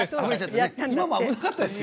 今も危なかったですよ。